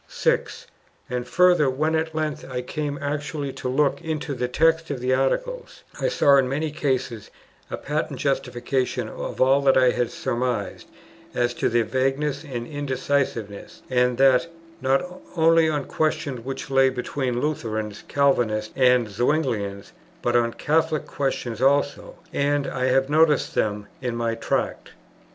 6. And further, when at length I came actually to look into the text of the Articles, I saw in many cases a patent justification of all that I had surmised as to their vagueness and indecisiveness, and that, not only on questions which lay between Lutherans, Calvinists, and Zuinglians, but on Catholic questions also; and I have noticed them in my Tract.